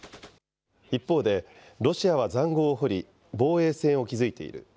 一方で、ロシアはざんごうを掘り、防衛線を築いている。